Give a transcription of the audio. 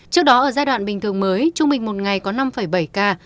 trước đó ở giai đoạn bình thường mới trung bình một ngày có năm bảy ca